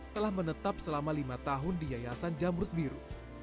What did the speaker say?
telah menetap selama lima tahun di yayasan jamrut biru